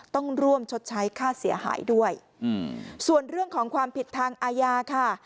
ต้องร่วมชดใช้ค่าเสียหายด้วยส่วนเรื่องของความผิดทางอาญาค่ะ